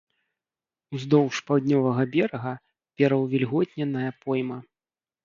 Уздоўж паўднёвага берага пераўвільготненая пойма.